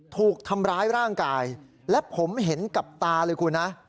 ถูกทำร้ายร่างกายและผมเห็นกับตาเลยคุณนะ